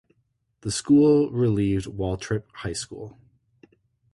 The school relieved Waltrip High School.